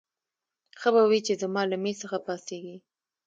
ښه به وي چې زما له مېز څخه پاڅېږې.